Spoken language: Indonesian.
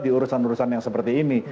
di urusan urusan yang seperti ini